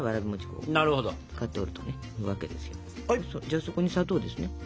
じゃあそこに砂糖ですね。